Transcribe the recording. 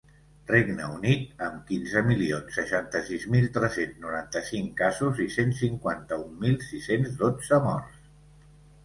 Regne Unit, amb quinze milions seixanta-sis mil tres-cents noranta-cinc casos i cent cinquanta-un mil sis-cents dotze morts.